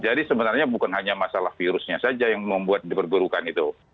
jadi sebenarnya bukan hanya masalah virusnya saja yang membuat dipergurukan itu